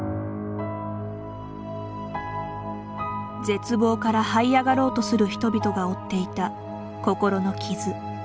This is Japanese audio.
絶望からはい上がろうとする人々が負っていた心の傷。